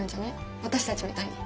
私たちみたいに。